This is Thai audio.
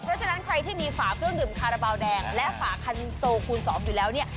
เพราะฉะนั้นใครที่มีฝาเครื่องดื่มคาราบาลแดงและฝาคันโซคูณ๒อยู่แล้วเนี่ย